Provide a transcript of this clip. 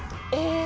え！